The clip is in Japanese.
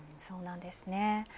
そうなんですね。